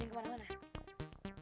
jangan mati ibu